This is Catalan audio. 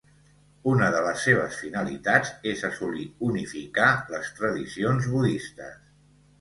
Una de les seves finalitats és assolir unificar les tradicions budistes.